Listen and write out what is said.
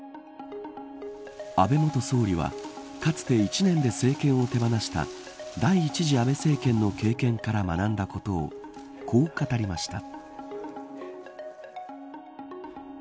安倍元総理はかつて１年で政権を手放した第１次安倍政権の経験から学んだことをこう語りました。